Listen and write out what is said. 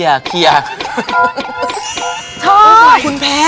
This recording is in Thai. ท่านบไทน์เขียร์มือ